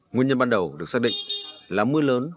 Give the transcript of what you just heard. nguyên nhân ban đầu được xác định là mưa lớn